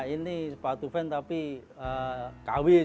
ini sepatu van tapi kawis